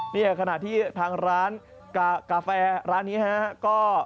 เนี่ยขณะที่ทางร้านกาแฟร้านนี้ฮะก็